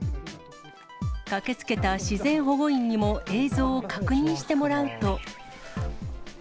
駆けつけた自然保護員にも映像を確認してもらうと。